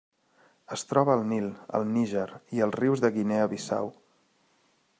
Es troba al Nil, al Níger i als rius de Guinea Bissau.